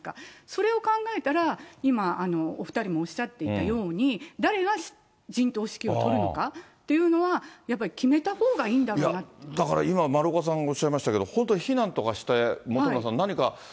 それを考えたら、今、お２人もおっしゃっていたように、誰が陣頭指揮をとるのかというのは、やっぱり決めたほうがいいんいや、だから今、丸岡さんがおっしゃいましたけど、本当、避難とかして、本村さん、何か。